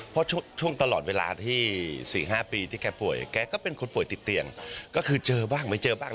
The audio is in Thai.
เพราะช่วงตลอดเวลาที่๔๕ปีที่แกป่วยแกก็เป็นคนป่วยติดเตียงก็คือเจอบ้างไม่เจอบ้าง